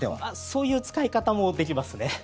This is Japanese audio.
そういう使い方もできますね。